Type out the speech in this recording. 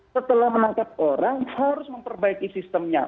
setelah menangkap orang harus memperbaiki sistemnya